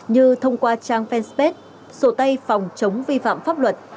như thông qua trang fan space sổ tay phòng chống vi phạm pháp luật